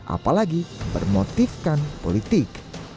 apalagi bermotifkan politik